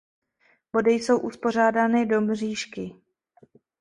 Body jsou uspořádány do mřížky.